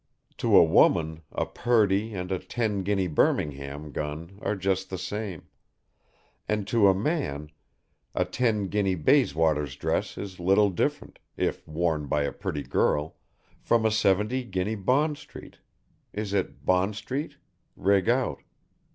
To a woman a Purdy and a ten guinea Birmingham gun are just the same, and to a man, a ten guinea Bayswater dress is little different, if worn by a pretty girl, from a seventy guinea Bond Street is it Bond Street rig out.